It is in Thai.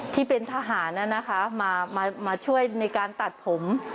ที่เป็นทหารมาช่วยในการตัดผม